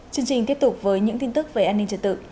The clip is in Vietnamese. chương trình tiếp tục với những tin tức về an ninh trật tự